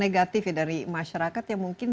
negatif dari masyarakat yang mungkin